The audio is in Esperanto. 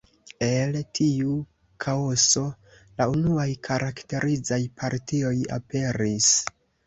El tiu kaoso, la unuaj karakterizaj partioj aperis.